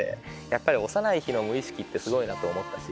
やっぱり幼い日の無意識ってすごいと思った。